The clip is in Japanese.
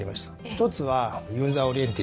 １つは。